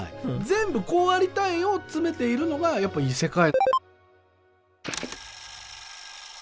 全部こうありたいを詰めているのがやっぱり異世界。